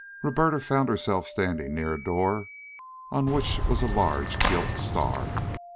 Roberta found herself standing near a door on which was a large gilt star.